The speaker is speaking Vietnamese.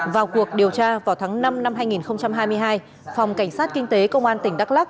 vào cuộc điều tra vào tháng năm năm hai nghìn hai mươi hai phòng cảnh sát kinh tế công an tỉnh đắk lắc